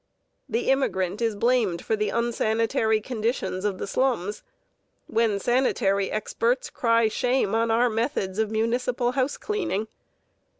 The immigrant is blamed for the unsanitary conditions of the slums, when sanitary experts cry shame on our methods of municipal house cleaning.